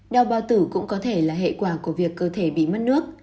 đau bao tử cũng có thể là hệ quả của việc cơ thể bị mất nước